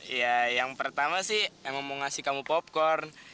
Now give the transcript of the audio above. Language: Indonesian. ya yang pertama sih emang mau ngasih kamu popcorn